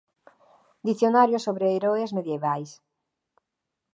Dicionario sobre heroes medievais